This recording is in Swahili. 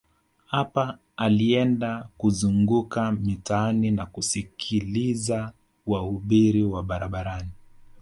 Hapa alienda kuzunguka mitaani na kusikiliza wahubiri wa barabarani